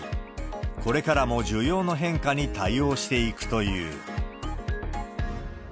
これからも需要の変化に対応していくという。